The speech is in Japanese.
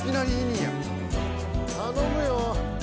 頼むよ。